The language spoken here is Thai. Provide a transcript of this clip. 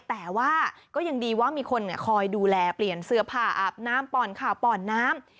แต่ว่าก็ยังดีว่ามีคนคอยดูแลเปลี่ยนเสื้อผ้าอาบน้ำป่อนข่าวป่อนน้ำ